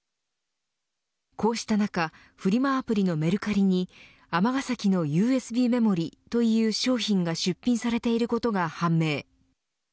こうした中フリマアプリのメルカリに尼崎のＵＳＢメモリという商品が出品されていることが判明。